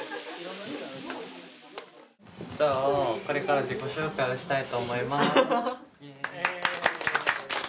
これから自己紹介をしたいと思います。